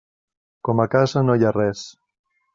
Com en casa no hi ha res.